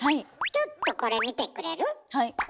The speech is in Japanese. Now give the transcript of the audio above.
ちょっとこれ見てくれる？